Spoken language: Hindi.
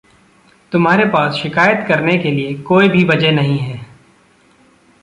तुम्हारे पास शिकायत करने के लिए को भी वजह नहीं है।